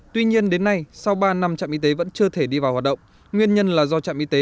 tuy nhiên đến nay sau ba năm trạm y tế vẫn chưa thể đi vào hoạt động nguyên nhân là do trạm y tế